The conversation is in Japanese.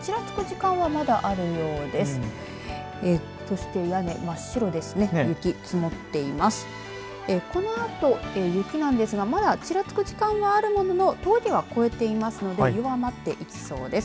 このあと、雪なんですがまだちらつく時間はあるものの峠は越えていますので弱まっていきそうです。